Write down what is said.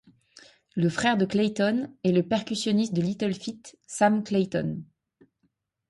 Le frère de Clayton est le percussionniste de Little Feat, Sam Clayton.